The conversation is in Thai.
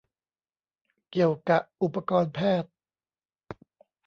เกี่ยวกะอุปกรณ์แพทย์ ?